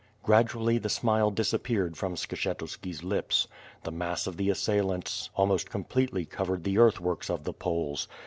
Gradually the smile disappeared from Skshetuski's lips. The mass of the assailants almost completely covered the earthworks of the Poles.